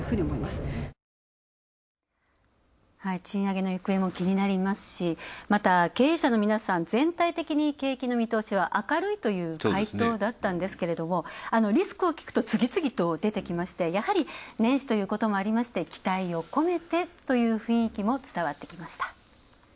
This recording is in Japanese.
賃上げの行方も気になりますしまた経営者の皆さん、全体的に経営の見通しは明るいという回答だったんですが、リスクを聞くと次々と出てきましてやはり年始ということもあり期待をこめてという雰囲気も伝わってきました。